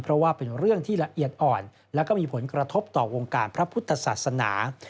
เพราะว่าเป็นเรื่องที่ละเอียดอ่อนและก็มีผลกระทบต่อวงการพระพุทธศาสนา